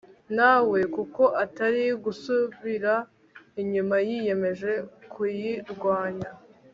na we kuko atari gusubira inyuma yiyemeje kuyirwanya